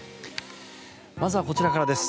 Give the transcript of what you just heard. まずはこちらからです。